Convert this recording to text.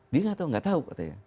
dia tidak tahu